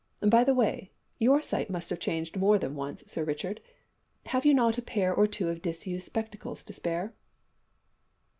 By the way, your sight must have changed more than once, Sir Richard! Have you not a pair or two of disused spectacles to spare?"